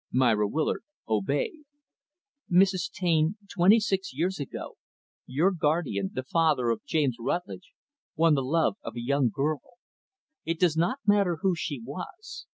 Myra Willard obeyed. "Mrs. Taine, twenty six years ago, your guardian, the father of James Rutlidge won the love of a young girl. It does not matter who she was.